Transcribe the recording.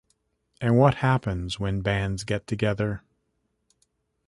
And what happens when bands get together?